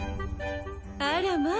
あらまぁ！